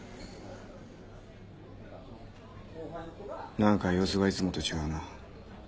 何か様子がいつもと違うな。